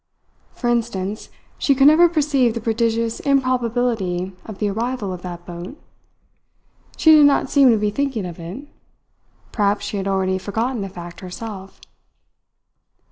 For instance, she could never perceive the prodigious improbability of the arrival of that boat. She did not seem to be thinking of it. Perhaps she had already forgotten the fact herself.